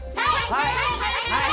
はい！